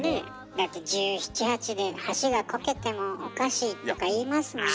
だって１７１８で箸がこけてもおかしいとか言いますもんね。